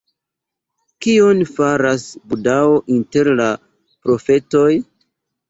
Kion faras Budao inter la profetoj?